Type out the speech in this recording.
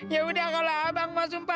yaudah kalo abang mau sumpah